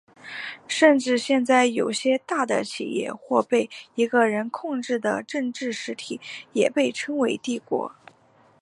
甚至现在有些大的企业或被一个人控制的政治实体也被称为帝国。